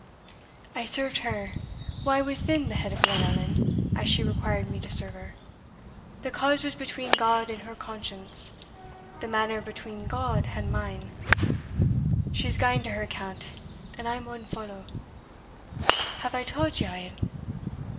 "I served her, wha was then the head of Glenallan, as she required me to serve her. The cause was between God and her conscience the manner between God and mine She is gane to her account, and I maun follow. Have I taulds you a'?"